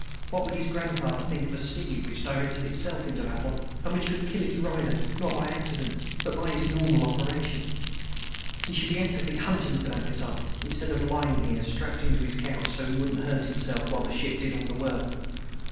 What would his grandfather think of a steed which directed itself into battle and which could kill its rider, not by accident, but in its normal operation? He should be actively hunting for that missile, instead of lying here, strapped into his couch so he wouldn't hurt himself, while the ship did all the work.